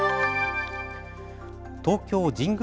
東京神宮